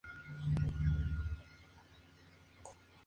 En este momento es ascendido a coronel.